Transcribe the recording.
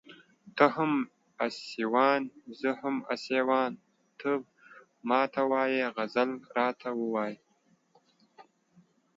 ته هم اسيوان زه هم اسيوان ته ما ته وايې غزل راته ووايه